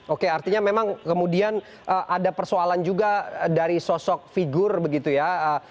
oke artinya memang kemudian ada persoalan juga dari sosok figur begitu ya